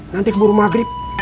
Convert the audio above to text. nanti keburu maghrib